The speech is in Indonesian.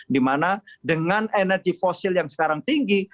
dimana dengan energi fosil yang sekarang tinggi